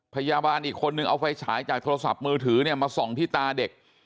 พยาบาลอีกคนนึงเอาไฟฉายจากโทรศัพท์มือถือเนี่ยมาส่องที่ตาเด็ก